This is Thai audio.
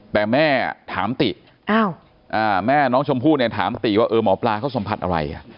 แต่แม่ถามติแม่น้องชมพู่เนี่ยถามติว่าเออหมอปลาเขาสัมผัสอะไร